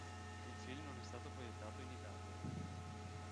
Il film non è stato proiettato in Italia.